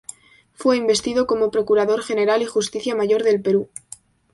Fue investido como Procurador general y Justicia mayor del Perú.